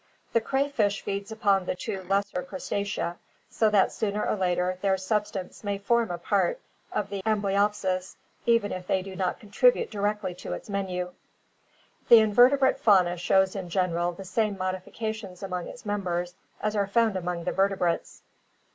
The crayfish feeds upon the two lesser Crustacea, so that sooner or later their substance may form a part of the Amblyopsis even if they do not contribute directly to its menu. The invertebrate fauna shows in general the same modifications among its members as are found among the vertebrates.